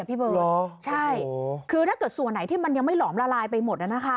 พี่เบิร์ดใช่คือถ้าเกิดส่วนไหนที่มันยังไม่หลอมละลายไปหมดนะคะ